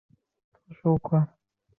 圣博代。